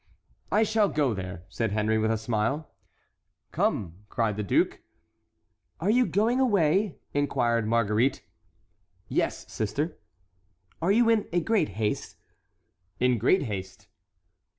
"I shall go there," said Henry, with a smile. "Come," cried the duke. "Are you going away?" inquired Marguerite. "Yes, sister!" "Are you in great haste?" "In great haste."